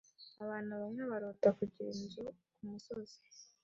Abantu bamwe barota kugira inzu kumusozi.